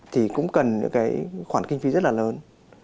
thì cũng cần những cái khoản kinh phí rất là lớn